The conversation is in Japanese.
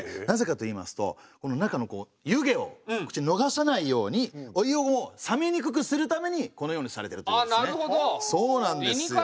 なぜかといいますと中のこう湯気を逃さないようにお湯を冷めにくくするためにこのようにされてるというんですね。